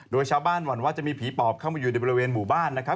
โดยชาวบ้านหวั่นว่าจะมีผีปอบเข้ามาอยู่ในบริเวณหมู่บ้านนะครับ